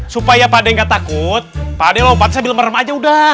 supaya pak d nggak takut pak d lompat saya bila merem aja udah